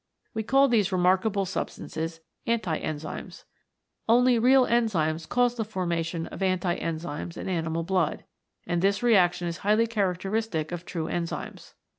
We call these remrakable substances Anti Enzymes. Only real enzymes cause the formation of anti enzymes in animal blood, and this reaction is highly characteristic of true enzymes.